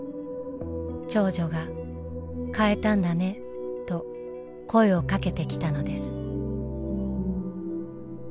長女が「変えたんだね」と声をかけてきたのです。